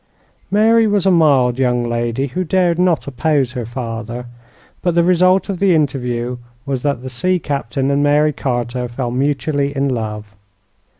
Mary was a mild young lady, who dared not oppose her father; but the result of the interview was that the sea captain and Mary Carter fell mutually in love.